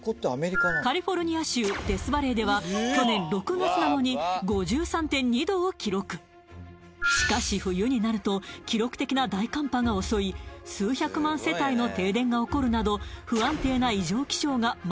カリフォルニア州デスバレーでは去年６月なのに５３．２℃を記録しかし冬になると記録的な大寒波が襲い数百万世帯の停電が起こるなど